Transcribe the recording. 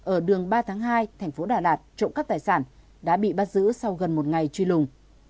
ở đường ba tháng hai thành phố đà lạt trộm cắp tài sản đã bị bắt giữ sau gần một ngày truy lùng